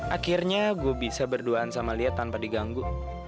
akhirnya gue bisa berduaan sama lia tanpa diganggu